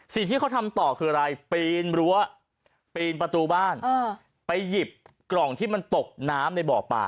สิ่งที่เขาทำต่อคืออะไรปีนรั้วปีนประตูบ้านไปหยิบกล่องที่มันตกน้ำในบ่อป่า